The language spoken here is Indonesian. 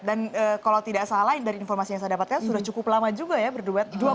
dan kalau tidak salah dari informasi yang saya dapatkan sudah cukup lama juga ya berduet